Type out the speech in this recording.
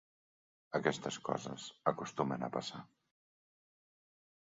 Aquestes coses acostumen a passar.